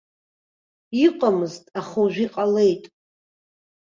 Иҟамызт, аха уажәы иҟалеит.